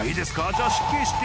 じゃあ失敬して。